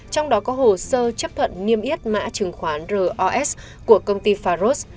trong đó có hồ sơ chấp thuận niêm yết mã chứng khoán ros của công ty faros